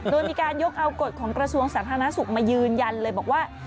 โดยมีการยกเอากฎของกระทรวงสาธารณสุขมายืนยันเลยบอกว่า